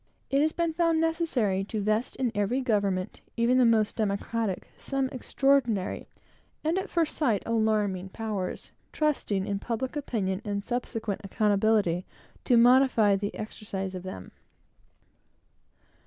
It has been found necessary to vest in every government, even the most democratic, some extraordinary, and, at first sight, alarming powers; trusting in public opinion, and subsequent accountability to modify the exercise of them.